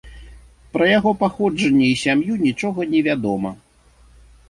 Пра яго паходжанне і сям'ю нічога не вядома.